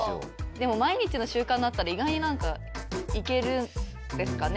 でも毎日の習慣になったら意外に何か行けるんですかね。